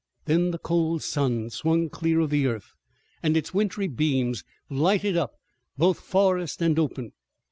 Then the cold sun swung clear of the earth, and its wintry beams lighted up both forest and open.